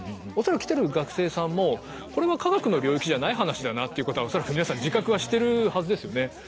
恐らく来てる学生さんもこれは科学の領域じゃない話だなっていうことは恐らく皆さん自覚はしてるはずですよね。